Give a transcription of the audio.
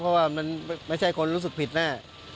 เพราะว่ามันไม่ใช่คนรู้สึกผิดแน่